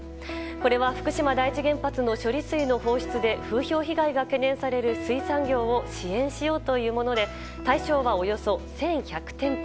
これは福島第一原発の処理水の放出で風評被害が懸念される水産業を支援しようというもので対象は、およそ１１００店舗。